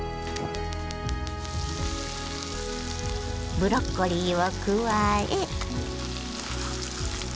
ブロッコリーを加え。